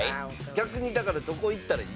逆にだからどこいったらいい？